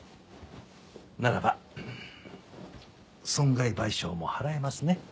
ならば損害賠償も払えますね。